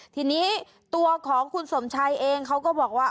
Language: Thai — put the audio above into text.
ทีนี้ตัวของคุณสมชัยเองเขาก็บอกว่า